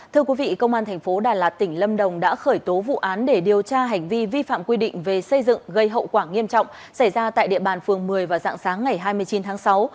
thưa quý vị công an thành phố đà lạt tỉnh lâm đồng đã khởi tố vụ án để điều tra hành vi vi phạm quy định về xây dựng gây hậu quả nghiêm trọng xảy ra tại địa bàn phường một mươi vào dạng sáng ngày hai mươi chín tháng sáu